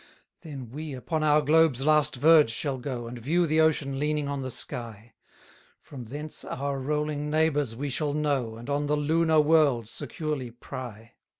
164 Then we upon our globe's last verge shall go, And view the ocean leaning on the sky: From thence our rolling neighbours we shall know, And on the lunar world securely pry.